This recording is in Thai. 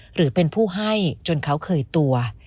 หรือเป็นผู้ให้จนเขาเคยตัว